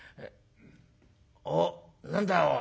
あっ何だおい。